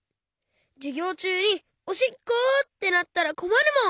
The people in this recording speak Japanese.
じゅぎょうちゅうに「おしっこ！」ってなったらこまるもん。